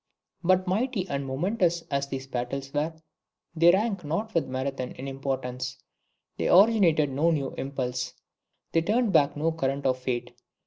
But mighty and momentous as these battles were, they rank not with Marathon in importance. They originated no new impulse. They turned back no current of fate.